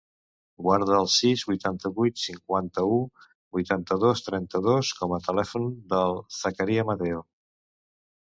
Guarda el sis, vuitanta-vuit, cinquanta-u, vuitanta-dos, trenta-dos com a telèfon del Zakaria Mateo.